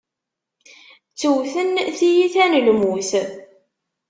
Ttewten tiyita n lmut.